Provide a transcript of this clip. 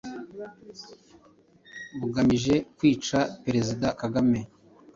bugamije kwica Perezida Kagame.